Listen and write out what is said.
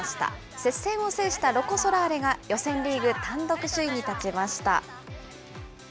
接戦を制したロコ・ソラーレが、予選リーグ単独首位に立ちました。